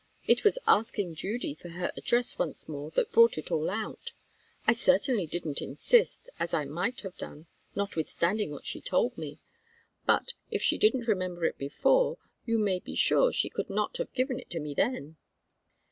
It was asking Judy for her address once more that brought it all out. I certainly didn't insist, as I might have done, notwithstanding what she told me; but, if she didn't remember it before, you may be sure she could not have given it me then."